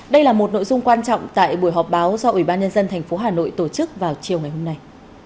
đây là một nội dung quan trọng tại buổi họp báo do ủy ban nhân dân tp hà nội tổ chức vào chiều ngày hôm nay